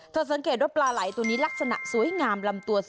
สังเกตว่าปลาไหล่ตัวนี้ลักษณะสวยงามลำตัว